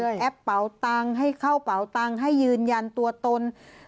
แอปเป่าตังค์ให้เข้าเป่าตังค์ให้ยืนยันตัวตน